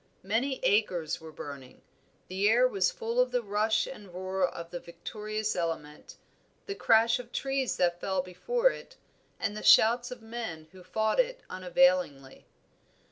Many acres were burning, the air was full of the rush and roar of the victorious element, the crash of trees that fell before it, and the shouts of men who fought it unavailingly.